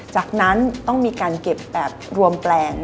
จากนั้นต้องมีการเก็บแบบรวมแปลง